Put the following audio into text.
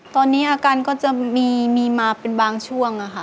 ตอนนี้อาการก็จะมีมาเป็นบางช่วงค่ะ